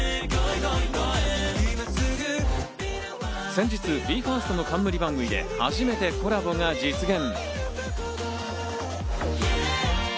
先日、ＢＥ：ＦＩＲＳＴの冠番組で初めてコラボが実現。